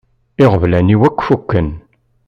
Iɣeblan-iw akk fukken.